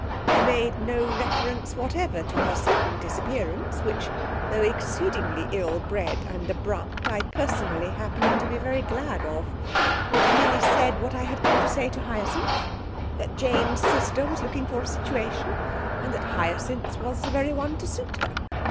I made no reference whatever to her sudden disappearance, which, though exceedingly ill bred and abrupt, I personally happened to be very glad of. I merely said what I had come to say to Hyacinth: that Jane's sister was looking for a situation, and that Hyacinth's was the very one to suit her.